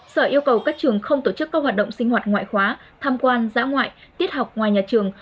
sở yêu cầu các trường không tổ chức các hoạt động sinh hoạt ngoại khóa tham quan giã ngoại tiết học ngoài nhà trường